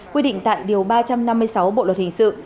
quy định tại điều ba trăm năm mươi sáu bộ luật hình sự